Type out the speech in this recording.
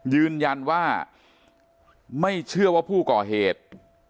ยืนยันว่าไม่เชื่อว่าผู้ก่อเหตุ